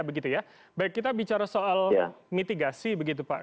baik kita bicara soal mitigasi begitu pak